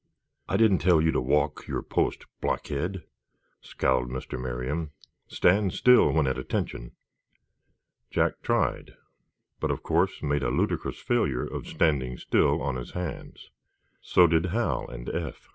"I didn't tell you to walk your post, blockhead!" scowled Mr. Merriam. "Stand still when at attention." Jack tried, but of course made a ludicrous failure of standing still on his hands. So did Hal and Eph.